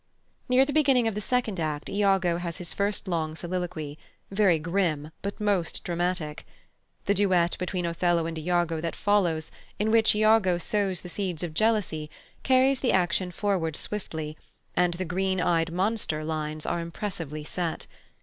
Near the beginning of the second act Iago has his first long soliloquy: very grim, but most dramatic. The duet between Othello and Iago that follows, in which Iago sows the seeds of jealousy, carries the action forward swiftly, and the "green ey'd monster" lines are impressively set.